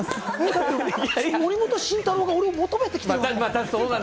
森本慎太郎が俺を求めてきたから。